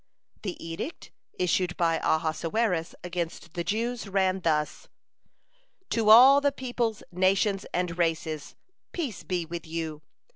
(114) The edict issued by Ahasuerus against the Jews ran thus: "To all the peoples, nations, and races: Peace be with you!